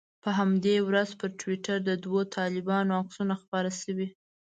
په همدې ورځ پر ټویټر د دوو طالبانو عکسونه خپاره شوي.